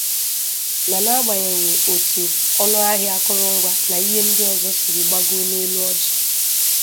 na n'agbanyeghị etu ọnụ ahịa akụrụngwa na ihe ndị ọzọ siri gbagoo n'elu ọjị